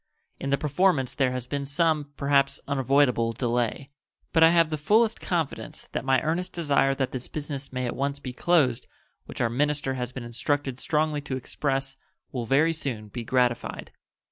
In the performance there has been some, perhaps unavoidable, delay; but I have the fullest confidence that my earnest desire that this business may at once be closed, which our minister has been instructed strongly to express, will very soon be gratified.